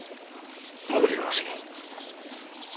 戻りは明日に。